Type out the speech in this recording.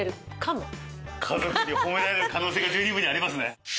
家族に褒められる可能性が十二分にありますね。